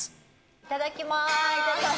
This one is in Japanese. いただきます。